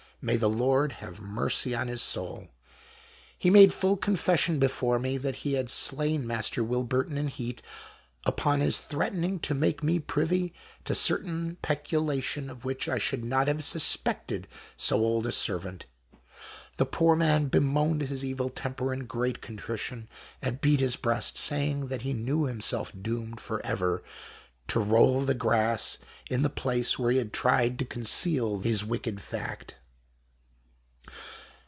May the Lord have mercy on his soul. He made full confession before me, that he had slain Master Wilburton in heat upon his threatening to make me privy to certain peculation of which I should not have suspected so old a servant. The poor man bemoaned his evil temper in great contrition, and beafot his breast, saying that he knew himseilf doomed for ever to roll the grass in tlie place where he had tried to conceal hm wicked fact.